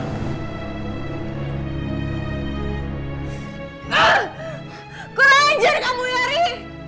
kau kena anjir kamu yari